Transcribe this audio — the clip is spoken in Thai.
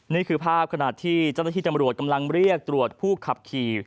นี่คือภาพขณะที่เจ้าหน้าที่ตำรวจกำลังเรียกตรวจผู้ขับขี่